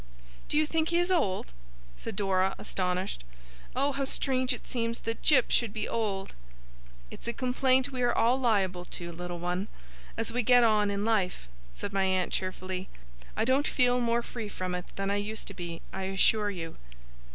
'Do you think he is old?' said Dora, astonished. 'Oh, how strange it seems that Jip should be old!' 'It's a complaint we are all liable to, Little One, as we get on in life,' said my aunt, cheerfully; 'I don't feel more free from it than I used to be, I assure you.